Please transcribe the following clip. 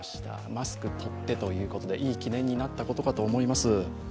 マスクとってということで、いい記念になったことかと思います。